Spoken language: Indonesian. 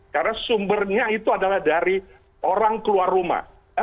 karena sumbernya itu adalah dari orang keluar rumah